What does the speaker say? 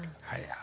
はい。